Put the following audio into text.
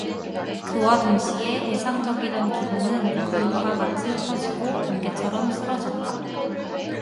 그와 동시에 애상적이던 기분은 구름과 같이 흩어지고 안개처럼 스러졌다.